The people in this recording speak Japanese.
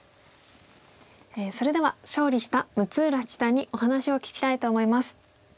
それでは勝利した六浦七段にお話を聞きたいと思います。